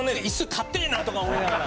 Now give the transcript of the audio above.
硬えなとか思いながら。